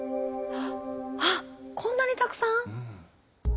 あっこんなにたくさん？